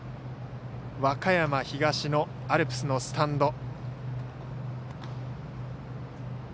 和歌山東のアルプスのスタンド。